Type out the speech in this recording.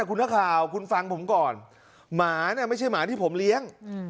คุณนักข่าวคุณฟังผมก่อนหมาเนี่ยไม่ใช่หมาที่ผมเลี้ยง